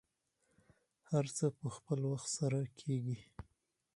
هر څه په خپل وخت سره کیږي.